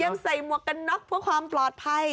ยังใส่หมวกกันน็อกเพื่อความปลอดภัย